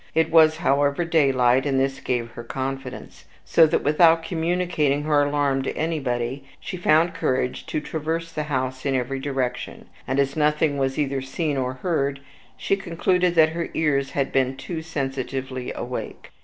It was, however, daylight, and this gave her confidence; so that, without communicating her alarm to anybody, she found courage to traverse the house in every direction; and, as nothing was either seen or heard, she concluded that her ears had been too sensitively awake.